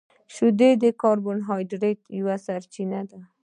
• شیدې د کاربوهایډریټ یوه سرچینه ده.